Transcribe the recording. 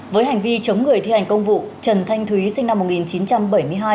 với hành vi chống người thi hành công vụ trần thanh thúy sinh năm một nghìn chín trăm bảy mươi hai